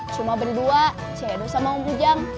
cuma berdua saya dosa sama om pujang